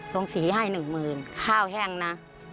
ลุงศรีให้๑๐๐๐ข้าวแห้งนะ